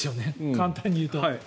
簡単にいうと。